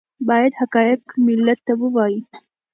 باید حقایق ملت ته ووایي